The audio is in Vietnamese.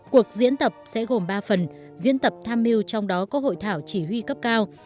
cuộc diễn tập sẽ gồm ba phần diễn tập tham mưu trong đó có hội thảo chỉ huy cấp cao